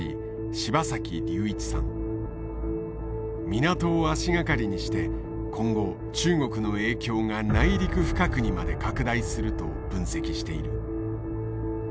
港を足掛かりにして今後中国の影響が内陸深くにまで拡大すると分析している。